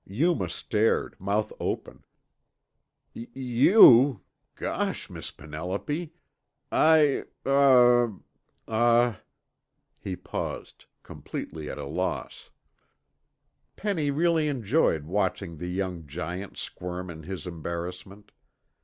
Yuma stared, mouth open. "Y y yew, g g gosh, Miss Penelope, I er uh...." He paused, completely at a loss. Penny really enjoyed watching the young giant squirm in his embarrassment.